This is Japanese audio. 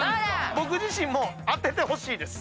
僕自身も当ててほしいです。